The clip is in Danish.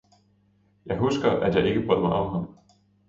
Jeg husker, at jeg ikke brød mig om ham.